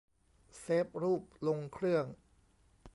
เซฟรูปลงเครื่อง